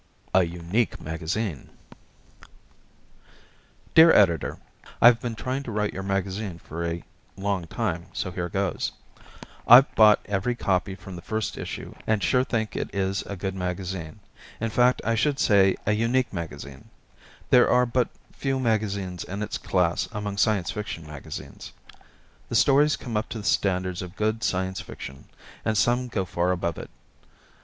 "A Unique Magazine" Dear Editor: I've been trying to write your magazine for a long time, so here goes. I've bought every copy from the first issue and sure think it is a good magazine. In fact I should say a unique magazine; there are but few magazines in its class among Science Fiction magazines. The stories come up to the standards of good Science Fiction, and some go far above it.